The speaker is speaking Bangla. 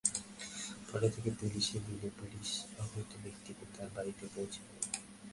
পরে তাঁকে পুলিশে দিলে, পুলিশ আহত ব্যক্তিকে তাঁর বাড়িতে পৌঁছে দেয়।